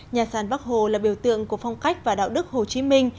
nhà sàn bắc hồ là biểu tượng của phong cách và đạo đức hồ chí minh